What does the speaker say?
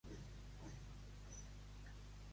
De quin càrrec ha acusat Iglesias a Aznar?